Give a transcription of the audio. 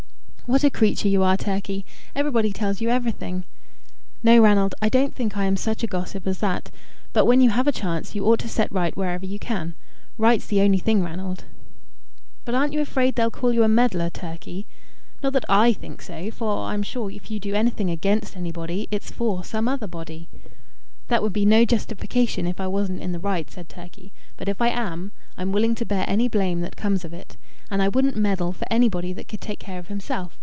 "What a creature you are, Turkey! Everybody tells you everything." "No, Ranald; I don't think I am such a gossip as that. But when you have a chance, you ought to set right whatever you can. Right's the only thing, Ranald." "But aren't you afraid they'll call you a meddler, Turkey? Not that I think so, for I'm sure if you do anything against anybody, it's for some other body." "That would be no justification if I wasn't in the right," said Turkey. "But if I am, I'm willing to bear any blame that comes of it. And I wouldn't meddle for anybody that could take care of himself.